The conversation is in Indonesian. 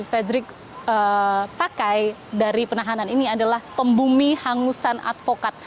fadrik pakai dari penahanan ini adalah pembumi hangusan advokat